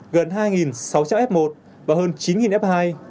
gần hai sáu trăm linh f một và hơn chín f hai